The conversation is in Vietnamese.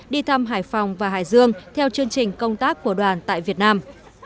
đi thăm hải phòng và hải dương theo chương trình công tác của đoàn tại việt nam